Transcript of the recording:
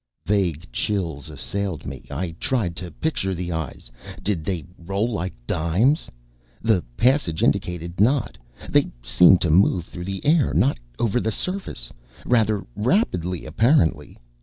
_ Vague chills assailed me. I tried to picture the eyes. Did they roll like dimes? The passage indicated not; they seemed to move through the air, not over the surface. Rather rapidly, apparently.